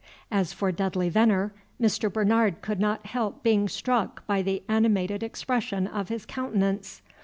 As for Dudley Veneer, Mr. Bernard could not help being struck by the animated expression of his countenance.